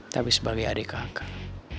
tapi sebagai adik kakak